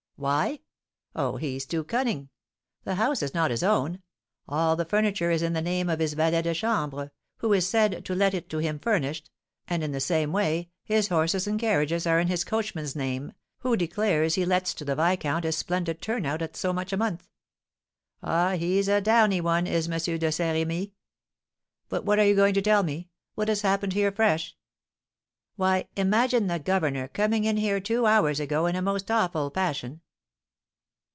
"Why? oh, he's too cunning! The house is not his own; all the furniture is in the name of his valet de chambre, who is said to let it to him furnished; and, in the same way, his horses and carriages are in his coachman's name, who declares that he lets to the viscount his splendid turn out at so much a month. Ah, he's a 'downy' one, is M. de Saint Rémy! But what were you going to tell me? what has happened here fresh?" "Why, imagine the governor coming in here two hours ago in a most awful passion.